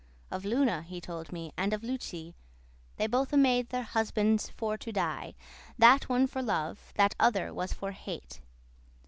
Of Luna told he me, and of Lucie; They bothe made their husbands for to die, That one for love, that other was for hate.